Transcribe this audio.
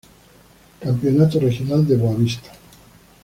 Campeonato regional de Boavista